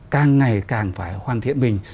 càng ngày càng phải hoàn thiện mình